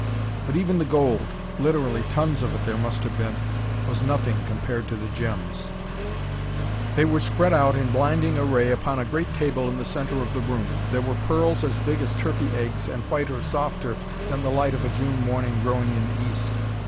But even the gold literally tons of it there must have been was nothing compared to the gems. They were spread out in blinding array upon a great table in the center of the room. There were pearls as big as turkey eggs and whiter, softer than the light of a June morning growing in the East.